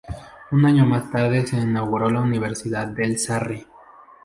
Un año más tarde se inauguró la Universidad del Sarre.